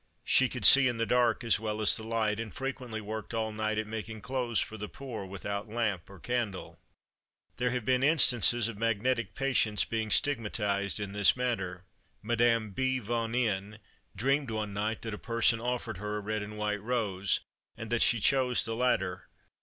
She could see in the dark as well as the light, and frequently worked all night at making clothes for the poor, without lamp or candle. There have been instances of magnetic patients being stigmatized in this manner. Madame B. von N—— dreamed one night that a person offered her a red and a white rose, and that she chose the latter.